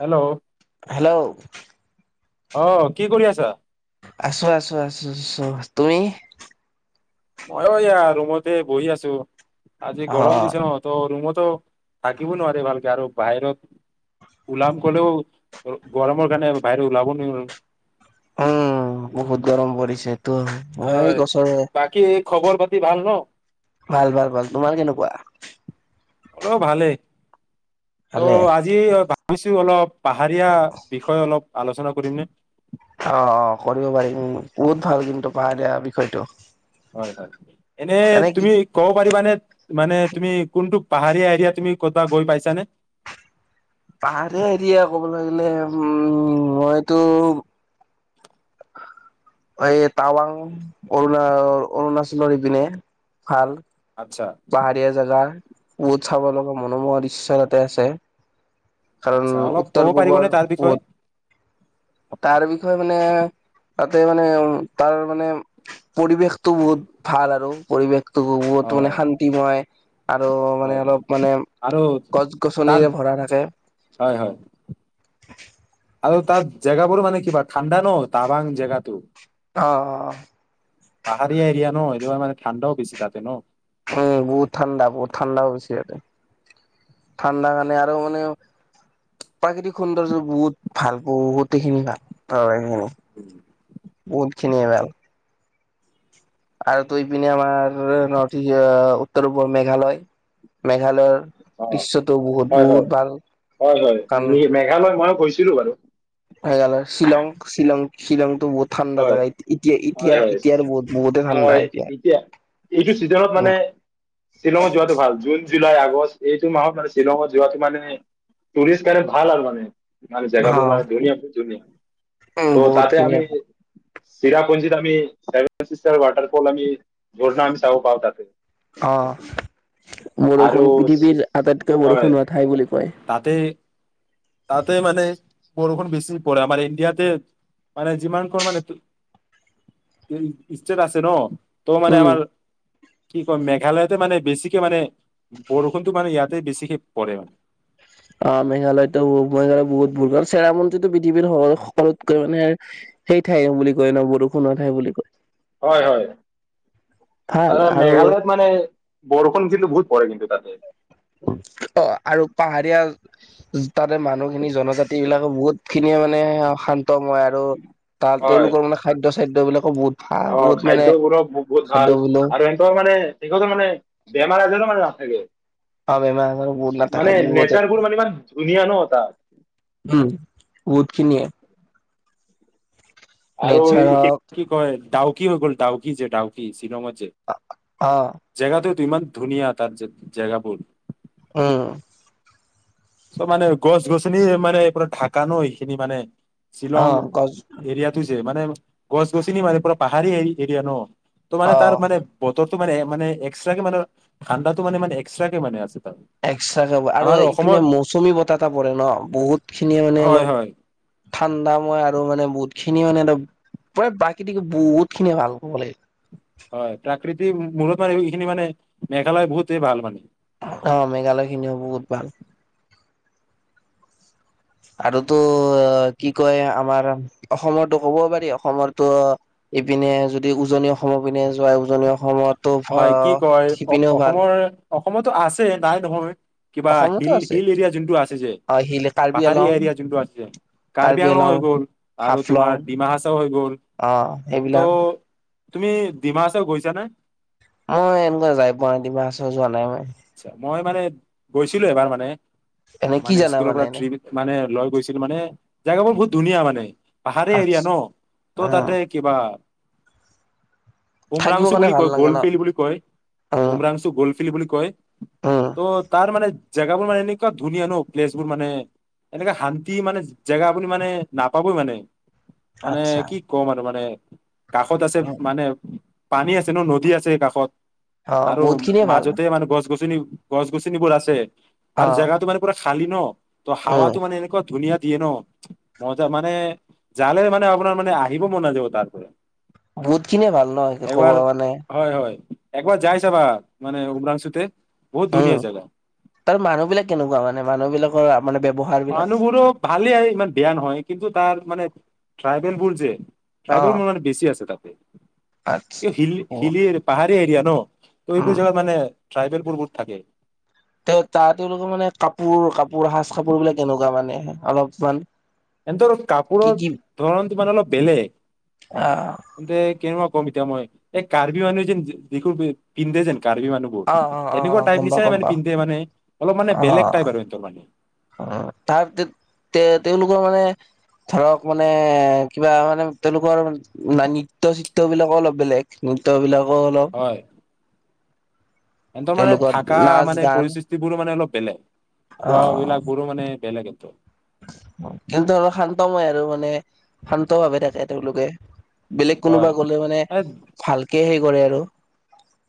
Hello. Hello! অ' কি কৰি আছা? আছো-আছো-আছো-আছো, তুমি? মইো এয়া ৰুমতে বহি আছো। আজি অ গৰম দিশা ন, ত ৰুমত থাকিব নোৱাৰে ভালকে আৰু বাহিৰত, ওলাম গলেও গৰমৰ কাৰণে বাহিৰ ওলাব নোৱাৰ। উম বহুত গৰম পৰিছে তো মই হয়, গছৰে বাকী খবৰ প ভাল ন? ভাল- ভাল-ভাল, তোমাৰ কেনেকুৱা? মোৰো ভালে। ত' ভালে আজি কছো অলপ পাহাৰীয়া বিষয়ে অলপ আলোচনা কৰিম নে? অ অ কৰিব পাৰিম বহুত ভাল কিন্তু পাহাৰীয়া বিষয়টো। হয় হয়, এনে তুমি কব পাৰিবানে মানে তুমি কোনটো পাহাৰীয়া এৰিয়াত তুমি কৰ'বাত গৈ পাইছানে? পাহাৰে হেৰিয়া ক'ব লাগিলে, উম মইতো এই টাৱাং, অৰুণা অৰুণাচলৰ ইপিনে ভাল আচ্ছা পাহাৰীয়া জোগা বহত চাব লগা মনোমোহৰ ইচ্ছ তাতে আছে কাৰণ আচ্ছা অলপ ক'ব উত্তৰ পাৰিবনে পূবৰ, তাৰ বিষয়ে [unintelligible] তাৰ বিষয়ে মানে তাতে মানে উঁ, তাৰ মানে পৰিৱেশ টো বহুত ভাল আৰু। পৰিৱেশ তো অ মোন হয়। আৰু মানে হয় হয় অলপ মানে, আৰু গছ তাৰ গছনিৰে ভৰা থাকে। হয় হয় আৰু তাৰ জেগাবোৰ মানে কিবা ঠাণ্ডা ন টাবাং জেগাটো অ পাহাৰীয়া এৰিয়া ন এনেও মানে ঠাণ্ডাও বেছি তাতে ন উম বহুত ঠাণ্ডা বহুত ঠাণ্ডাও বেছি ইতে ঠাণ্ডা কাৰণে আৰু মানে প্ৰাকৃতিক সৌন্দৰ্য বহুত ভাল বহুতেখিনি ভাল উম বুতখিনি ভাল আৰু তৈ পিনে আমাৰ নৰ্থ ইষ্ট উত্তৰ পূবৰ মেঘালয় মেঘালয়ৰ অ দৃশ্যটো বহুত হয় বহুত হয় ভাল হয় হয় কাৰণ মেঘালয় মই কৈছিলো বাৰু হৈ গ'ল শ্বিলং শ্বিলং বহুত ঠাণ্ডা হয় জাগা এতিয়া হয় এতিয়া এতিয়া আৰু বহুত বহুতে ঠাণ্ডা হয় এতিয়া এইটো চিজনত উ মানে শ্বিলঙত যোৱাটো ভাল জুন জুলাই আগষ্ট এইটো মাহত মানে শ্বিলঙত যোৱাাটো মানে টুৰিষ্ট কাৰণে ভাল আৰু মানে [unintelligible] হা জেগাবোৰ [unintelligible] উম ত' বহুত তাতে খিনি আমি চিৰাপুঞ্জিত আমি চেভেন চিষ্টাৰ ৱাটাৰফল আমি ঝৰ্ণা আমি চাব পাওঁ তাতে আহ আৰু বৰষুণ চি- পৃথিৱীৰ আটাইতকৈ হয়। বৰষুণ হোৱা ঠাই বুলি কয় তাতে তাতে মানে বৰষুন বেছি পৰে আমাৰ ইণ্ডিয়াতে মানে যিমানখন মানে ষ্টেট আছে ন ত মান উম আমাৰ কি কম মেঘালয়তে মানে বেছিকে মানে বৰষুণটো মানে ইয়াতে বেছিকে পৰে মানে অ মেঘালয়তো মেঘালয় বহুত ভ আৰু চেৰাপুঞ্জিতো পৃথিৱীৰ তলতকৈ মানে সেই ঠাই বুলি কয় ন বৰষুণৰ ঠাই বুলি কয় হয় হয় ভাল তাৰ আৰু মেঘালয়ত মানে বৰষুণ কিন্তু বহুত পৰে কিন্তু তাকে অ আৰু পাহাৰীয়া তাৰে মানুহখিনি জনজাতি বিলাকে বহুত খিনিয়ি মানে শান্তময় আৰু তাৰ হয় তেওঁলোকৰ মানে খাদ্য চাদ্যবিলাক স'বুত অ খাদ্য বোৰো বহুত ভাল বোলো আৰু এনেৱৰ মানে সেই মানে বেমাৰ আজাৰো মানে আ নেচাৰ বোৰ মানে ইমান ধুনীয়া ন তাত [unintelligible] বহুত খিনি আৰু নেচাৰ হওক কি কয় ডাউকি হৈ গ'ল ডাউকি যে ডাউকি শ্বিলঙত অ জেগাটো ইমান ধুনীয়া তাত জেগাবোৰ উম। চব মানে গছ গছনি মানে এইৰা ঢাকা ন এইখিনি মানে। অ শ্বিলং গছ এৰিয়াটো যে মানে গছ-গছনিৰ মাৰ প পাহৰি এৰিয়া ন? তোমাৰ অ তাৰ মানে বতৰ টো মানে মানে এক্সট্ৰাকে মানে ধান্দা টো মানে মানে এক্সট্ৰাকে মানে আছে। তাৰ এক্সটাকে কাপ আৰু আমাৰ ইপিনে অসমত মৌজ চুমি বতাহ এটা পৰে ন, বহুত খিনিয়ে মানে হয় অলপ হয় ঠাণ্ডা ময় আৰু মানে মানে বহুত খিনি মানে অলপ মানে প্ৰাকৃতিক বহুত খিনিয়ে ভাল ক'ব লাগিব। হয় প্ৰাকৃতিৰ মূলত মানে এইখিনি মানে মেঘালয় বহুতেই ভাল মানে। অ' মেঘালয় খিনিও বহুত ভাল। আৰু টো কি কয় আমাৰ অসমৰো ক'ব পাৰি, অসমতটো ইপিনে যদি উজনি অসমৰ পিনে যোৱা উজনি অসমত হয় কি কয় অসমৰ অসমতো আছে নাই নহয়। কিবা অসমতো হিল আছে হিল এৰিয়া যোনটো আছে যে, অ হিল কাৰ্বি পাহাৰী আলং এৰিয়া যোনটো আছে যে কাৰ্বি আংলং হৈ গ'ল আৰু হাফলং তোমাৰ ডিমা হাছাও হৈ গ'ল। অ সেইবিলাক ত' তুমি ডিমা হাছাও গৈছা নে? মই এনেকুৱা যাই পোৱা নাই ডিমা হাছাও যোৱা নাই মই। আচ্ছা, মই মানে গৈছিলো এবাৰ মানে। এনে কি মানে জানা স্কুলৰ পৰা এনে ত্ৰিপ মানে লৈ গৈছিল মানে জেগাবোৰ বহুত ধুনীয়া মানে। পাহাৰী এৰিয়া ন ত' উম তাতে কিবা থাকিবৰ উমৰাংছু কাৰণে বুলি ভাল কয়, লাগে ন গলফিল বুলি কয়, উম উমৰাংছু গল ফিল বুলি কয় উম ত' তাৰ মানে জেগাবোৰ মানে এনেকুৱা ধুনীয়া ন' প্লেচ বোৰ মানে এনেকুৱে শান্তি মানে জেগা বুলি মানে নাপাবই মানে। মানে আচ্ছা কি কম আৰু মানে কাষত আছে মানে পানী আছে ন' নদী আছে কাষত অ আৰু বহুত খিনিয়ে ভাল মাজতে মানে গছ, গছ [unintelligible] গছ, গছনিবোৰ আছে। অ আৰু জেগাতো মানে পুৰা খালি ন ত' উম হাৱাতো মানে এনেকুৱা ধুনীয়া দিয়ে ন' মজা মানে জালে মানে আপোনাৰ মানে আহিব মন নাযাব তাৰ পৰা। বহুত খিনিয়ে ভাল ন ক'ব একবাৰ মানে হয় হয় একবাৰ যাই চাবা মান উম্ৰাংশুতে উম তাৰ মানুহ বিলাক কেনেকুৱা মানে মানুহ বিলাকৰ মানে ব্যৱহাৰ বিলাক মানুহবোৰো ভালেই ইমান বেয়া নহয় কিন্তু তাৰ মানে ট্ৰাইবেল বোৰ যে অ ট্ৰাইবেল মানুহ মানে বেছি আছে তাত আচ্ছা এই হিল অ হিলিয়াৰি পাহাৰ এৰিয়া ন। ত' উম এইবোৰ জাগাত মানে ট্ৰাইবেল পুৰবোৰ থাকে। [unintelligible] তেওঁলোকৰ মানে কাপোৰ কাপোৰ সাজ-কাপোৰ বিলাক কেনেকুৱা মানে অলপমান। সেতৰ কি কাপোৰৰ কি ধৰণটো মানে অলপ বেলেগ। আহ সেন্তে কেনেকুৱা কম এতিয়া মই এই কাৰ্বি মানুহে যেন যিখোন পিন্ধে যেন। কাৰ্বি অ অ মানুহবোৰ অ অ এনেকুৱা গম টাইপ পাওঁ নিচিনাই গম মানে পাওঁ পিন্ধে মানে অলপ মানে অ বেলেগ টাইপ আৰু সিহতৰ মানে। তাৰ তে তেওঁলোকৰ মানে ধৰক মানে কিবা মানে তেওঁলোকৰ নৃত্য-চিত্ৰ বিলাকো অলপ বেলেগ। নৃত্যবিলাক অলপ। এহতৰ মানে তেওঁলোকৰ থাকা নাচ মানে গান পৰিস্থিতিবোৰো মানে অলপ বেলেগ, অ খোৱাৰ অভিলাখবোৰো মানে বেলেগে। ত' কিন্তু, অলপ শান্তময় আৰু মানে শান্তভাৱে থাকে তেওঁলোকে। বেলেগ কোনোবা গ'লে মানে হয় ভালকে সেই কৰে আৰু।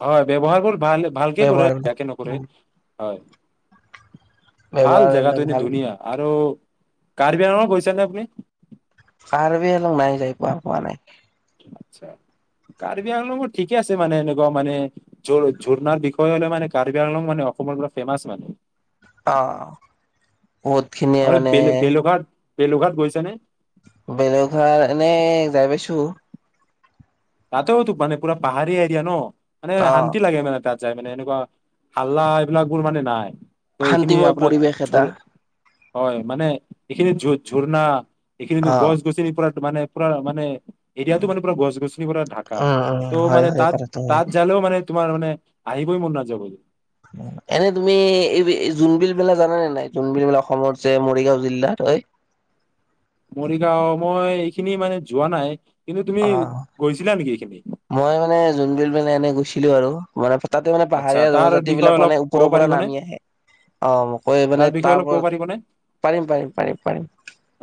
হয়, ব্যৱহাৰবোৰ ভাল। ভালকে কৰে ব্যৱহাৰ বিলাক বেয়াকে নকৰে, হয় ভাল ব্যৱহাৰ বিলাক জেগাটো এনে ভাল ধুনীয়া। আৰু, কাৰ্বি আংলংত গৈছ নে আপুনি? কাৰ্বি আলং নাই যাই পোৱা পোৱা নাই। আত্চ্ছা কাৰ্বি আংলংৰ ঠিকে আছে মানে এনেকুৱা মানে ঝৰ ঝৰ্ণাৰ বিষয়ে হলে মানে কাৰ্বি আংলং মানে অসমৰ পৰা ফেমাচ মানে। অ বহুত খিনিয়ে মানে বেলুঘাত গৈছা নে? বলেঘাত এনেই যাই পাইছো। তাতেওতো মানে পুৰা পাহাৰী এৰিয়া ন। মানে অ', শান্তি লাগে মানে তাত। যায় মানে এনেকুৱা হাল্লা এইবিলাক বোৰ মানে নাই। ত' এইখিনি শান্তিময় আপোনাৰ পৰিৱেশ ঝৰ এটা। হয় মানে এইখিনিত ঝ ঝৰ্ণা। এইখিটো অ', গছ-গছনিৰ পৰা মানে পুৰা মানে এতিয়াতো মানে পুৰা গছ, গছ গছনিৰে ঢাকা, উম, উম, ত' হয়, মানে হয়, তাত, কথাটো হয়। তাত যালেও মানে। তোমাৰ মানে, আহিবই মন নাযাব। এনে তুমি এই জোনবিল মেলা জানানে নাই, জোনবিল মেলা অসমত যে মৰিগাঁও জিলাত হয়? মৰিগাঁৱৰ, মই এইখিনি মানে যোৱা নাই। কিন্তু তুমি অ', গৈছিলা নেকি এইখিনি মই মানে জোনবিল মেলা এনে গৈছিলো আৰু। মানে তাত তাতে মানে আচ্ছা পাহাৰীয়া তাৰ জনজাতি বিলাক বিষয়ে মানে অলপ ওপৰৰ ক'ব পৰা পাৰিবনে নামি আহে। অ, কৈ মানে বিষয়ে তাৰ অলপ পৰা, ক'ব পাৰিবনে পাৰিম, পাৰিম, পাৰিম, পাৰিম।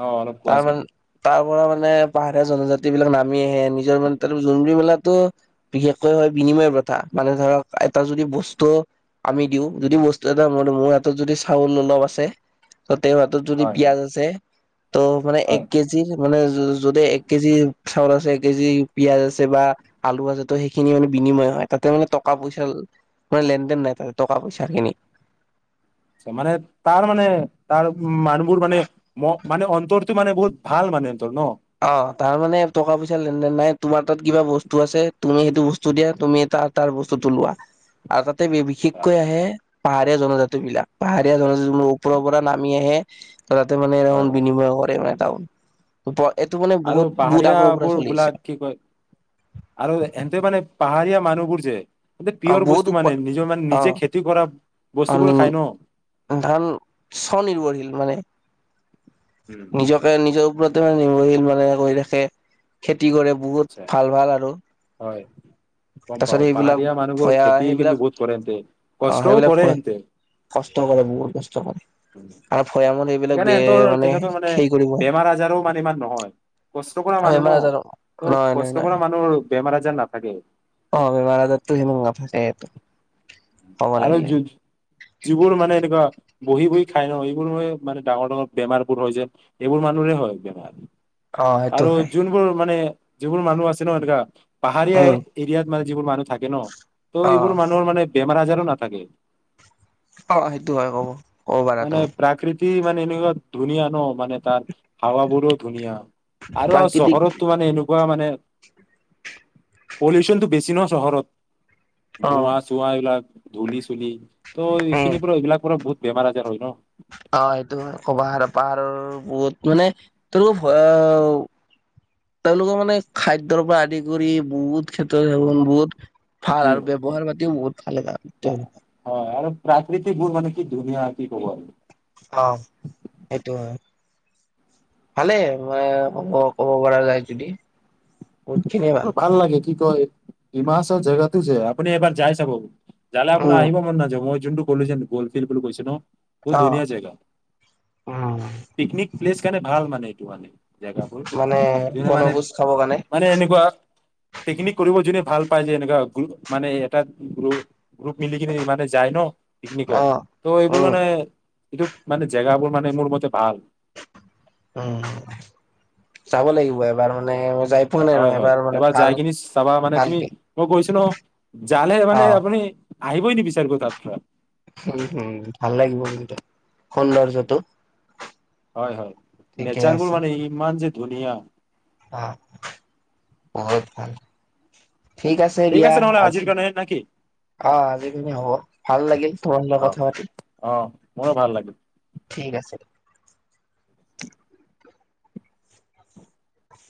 অ অলপ তাৰ কোৱাচোন মান, তাৰ পৰা মানে পাহাৰীয়া জনজাতি সেইবিলাক নামি আহে, নিজৰ মানে [unintelligible] জোনবিল মেলাটো বিশেষকৈ হয় বিনিময় প্ৰথা। মানে ধৰক, এটা যদি বস্তু আমি দিওঁ, যদি বস্তু এটা, মোৰ হাতত যদি চাউল অলপ আছে ত', তেওঁৰ হাতত যদি হয় হয় পিঁয়াজ আছে, ত' মানে এক হয় কেজি, মানে য যদি এক কেজি চাউল আছে এক কেজি, পিঁয়াজ আছে বা, আলু আছে, ত' সেইখিনি মানে বিনিময় হয়। তাতে মানে টকা পইচা মানে লেন দেন নাই তাতে টকা পইচা খিনি। মানে, তাৰ মানে, তাৰ মানুহবোৰ মানে, ম মানে অন্তৰটো মানে বহুত ভাল মানে। [inaudible] অ তাৰ মানে টকা পইচা লেনদেন নাই। তোমাৰ তাত কিবা বস্তু আছে, তুমি সেইটো বস্তু দিয়া, তুমি তাৰ তাৰ বস্তুটো লোৱা। আৰু তাত তে আচ্ছা, বিশেষকৈ আহে পাহাৰীয়া জনজাতি বিলাক। পাহাৰীয়া জনজা [unintelligible] ওপৰৰ পৰা নামি আহে। [inaudible] ত', তাতে মানে হয় [unintelligible] হয় বিনিময় কৰে মানে। ডাউন ওপৰত আৰু পাহাৰীয়াবোৰ বিলাক কি কয় আৰু এহেন্তে মানে পাহাৰীয়া মানুহবোৰ যে। এ অহ, পিয়ৰ বহুত বস্তু মানে ওপৰ নিজৰ মানে নিজে অ', খেতি কৰা অ', বস্তুবোৰ খাই ন নি ধান স্বনিৰ্ভৰশীল মানে। উম, নিজকে নিজৰ ওপৰত আত্মৰনিৰ্ভৰশীল মানে হৈ ৰাখে খেত তি কৰে বহুত আচ্ছা ভাল, ভাল আৰু। হয় গম তাৰপিছত পাও সেইবিলাক পাহাৰীয়া মানুহবোৰ ভয়া খেতি কিন্তু সেইবিলাক বহুত কৰে এন্তে অহ, কষ্টও সেইবিলাক কৰে ভয়, এন্তে কষ্ট কৰে, বহুত কষ্ট কৰে। আৰু ভৈয়ামত সেইবিলাক সেইকাৰণে বে সিহঁতৰ তেখেতৰ মানে সেই কৰিব বেমাৰ আজাৰো মানে ইমান নহয়, কষ্ট কৰা মানুহ বেমাৰ ন আজাৰ নহয় ত' নহয় কষ্ট নহয় কৰা মানুহৰ বেমাৰ আজাৰ নাথাকে। অ', বেমাৰ আজাৰটো সিমান নাথাকে এইটো। ক'ব আৰু লাগিলে যদ যিবোৰ মানে এনেকুৱা বহি, বহি খাই ন এইবোৰ মানে ডাঙৰ ডাঙৰ বেমাৰবোৰ হয় যে, এইবোৰ মানুহৰে হয় বেমাৰ। অ সেইটো আৰু হয় যোনবোৰ মানে যিবোৰন মানুহ আছে ন হেনেকা পাহাৰীয়া উম এৰিয়াত মানে যিবোৰ মানুহ থাকে ন ত' অ এইবোৰ মানুহৰ মানে বেমাৰ আজাৰো নাথাকে [inaudible] অ সেইটো হয় কব কব পাৰা মানে তুমি [inaudible] প্ৰাকৃতি মানে এনেকুৱা ধুনীয়া ন মানে তাৰ হাৱা বোৰো ধুনীয়া আৰু আৰু প্ৰাকৃতিক চহৰতো মানে এনো নেকুৱা মানে পলিউশনটো বেছি নহ চহৰত অ ধুঁৱা এইবিলাক ধূলি চুলি ত' উম এইখিনিৰ পৰা এইবিলাক পৰা বহুত বেমাৰ আজাৰ হয় ন অ সেইটো হয় ক পাহাৰ পাহাৰৰ বহুত মানে তেওঁলোকৰ ভয়ে তেওঁলোকৰ মানে খাদৰ পৰা আদি কৰি বহুত খেত হাব বহুত ভাল সেইটোৱে আৰু ব্যৱহাৰ পাতিও বহুত খালে হয় আৰু প্ৰাকৃতিক গুণ মানে কি ধুনীয়া কি ক'ব আৰু অ সেইটো হয় ভালেই ম কব ক'ব পৰা যায় যদি [inaudible] বহুত খিনিয়ে ম ভাল লাগে কি কয় হিমাচৰ জেগাত আপনি এবাৰ যায়ছাবৌ যালে আপোনাৰ উম আহিব মন নাযাব মই যোনটো কলেজ গলফিল্ বুলি কৈছে ন বহুত অ ধুনীয়া জেগা উম পিকনিক প্লেচ খানে ভাল মানে এইটো মানে জেগাবোৰ মানে যোনে মানে বনভোজ খাব কাৰণে মানে এনেকুৱা পিকনিক কৰিব যনে ভাল পায় যে এনেকুৱা গ মানে এটা গ গ্ৰুপ মিলি কিনি মানে যায় ন পিকনিকৰ অ ত উম এইবোনে এইটো মানে জেগাবোৰ মানে মোৰ মতে ভাল [inaudible] উম চাব লাগিব এবাৰ মানে যাই পোৱা নাই হয় নহয় হয় মানে এবাৰ ভাল যাই কিনি চাবা মানে তুমি ভালকে মই কৈছিলো যালে মানে অ', আপুনি আহিবই নি বিচাৰ ক তাত পৰা। উম হম ভাল লাগিব কিন্তু সৌন্দৰ্যটো। হয় হয় ঠিকে নেচাৰ বোৰ মানে ইমান যে- ধুনিয়া আহ ব ভ ঠিক আছে দিয়া, নহ'লে আজিৰ আজি কাৰণে নেকি অ আজিখিনি হ'ব। ভাল লাগিল তোমাৰ অ লগত কথা পাতি। অ মোৰো ভাল লাগিল। ঠিক আছে।